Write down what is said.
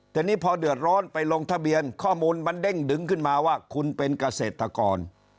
ทีนี้พอเดือดร้อนไปลงทะเบียนข้อมูลมันเด้งดึงขึ้นมาว่าคุณเป็นเกษตรกร